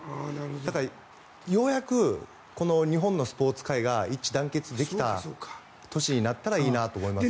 だから、ようやく日本のスポーツ界が一致団結できた年になったらいいなと思いますね。